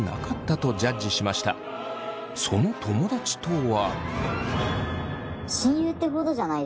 その友だちとは。